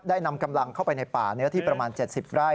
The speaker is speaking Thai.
นำกำลังเข้าไปในป่าเนื้อที่ประมาณ๗๐ไร่